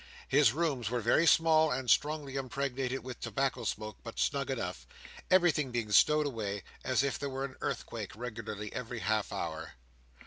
His rooms were very small, and strongly impregnated with tobacco smoke, but snug enough: everything being stowed away, as if there were an earthquake regularly every half hour.